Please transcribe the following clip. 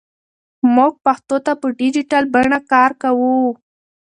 موږ پښتو ته په ډیجیټل بڼه کار کوو.